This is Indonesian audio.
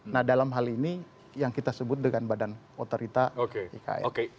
nah dalam hal ini yang kita sebut dengan badan otorita ikn